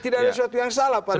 tidak ada yang salah pada dia